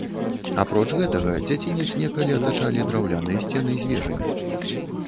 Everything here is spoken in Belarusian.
Апроч гэтага, дзяцінец некалі атачалі драўляныя сцены з вежамі.